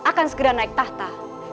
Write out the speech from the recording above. akan segera naik tahta